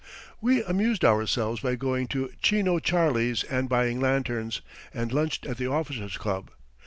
We amused ourselves by going to Chino Charlie's and buying lanterns, and lunched at the Officers' Club.